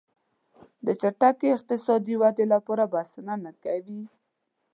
د چټکې اقتصادي ودې لپاره بسنه نه کوي.